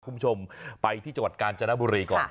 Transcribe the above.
คุณผู้ชมไปที่จังหวัดกาญจนบุรีก่อน